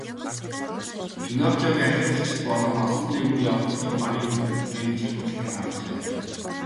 Пиноккиог алиалагчид болон олсон дээгүүр явагчдын багийн менежер худалдан авчээ.